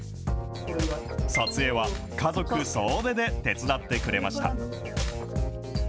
撮影は家族総出で手伝ってくれました。